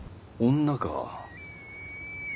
女か。